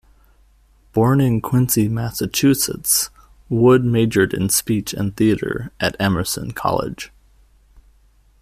Born in Quincy, Massachusetts, Wood majored in speech and theater at Emerson College.